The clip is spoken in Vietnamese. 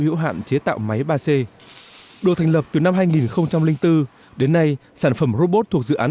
hữu hạn chế tạo máy ba c được thành lập từ năm hai nghìn bốn đến nay sản phẩm robot thuộc dự án